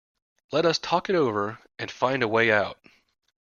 Let us talk it over and find a way out.